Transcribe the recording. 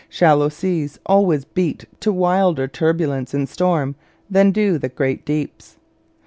Shallow seas always beat to wilder turbulence in storm than do the great deeps.